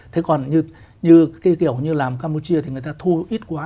thế còn như làm campuchia thì người ta thu ít quá